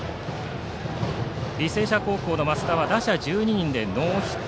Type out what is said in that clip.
履正社高校の増田は打者１２人でノーヒット。